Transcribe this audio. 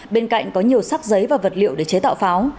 bên cạnh có nhiều sắc giấy và vật liệu để chế tạo pháo